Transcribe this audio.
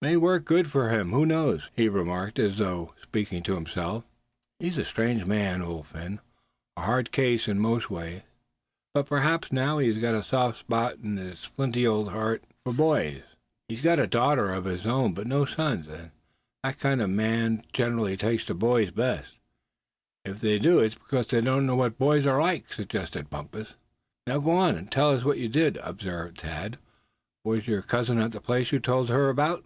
"It may work for good, who knows?" he remarked, as though speaking to himself. "He's a strange man, is Old Phin; a hard case in most ways; but p'raps now he has got a soft spot in his flinty old heart for boys. He's a daughter of his own but no sons. And that kind of men generally take to boys best." "If they do, it's because they don't know what boys are like," suggested Bumpus. "Now go on and tell us what you did," observed Thad. "Was your cousin at the place you told her about?"